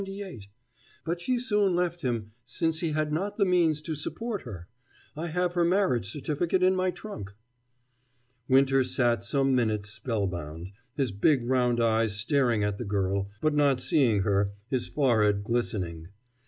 But she soon left him, since he had not the means to support her. I have her marriage certificate in my trunk." Winter sat some minutes spellbound, his big round eyes staring at the girl, but not seeing her, his forehead glistening.